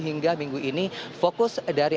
hingga minggu ini fokus dari